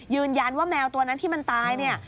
ยืนยันว่าแมวตัวนั้นที่มันตาย